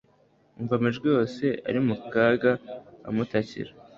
Yumva amajwi yose ari mu kaga amutakira.